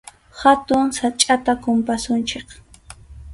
Hatun sachʼata kumpasunchik.